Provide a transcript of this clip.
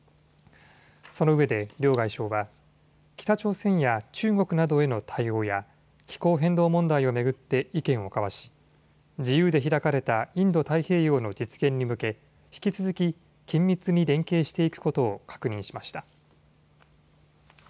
そのうえで両外相は北朝鮮や中国などへの対応や気候変動問題を巡って意見を交わし自由で開かれたインド太平洋の実現に向け引き続き緊密に連携していくことを確認しました。